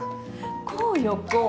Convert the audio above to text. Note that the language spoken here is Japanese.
こうよこう。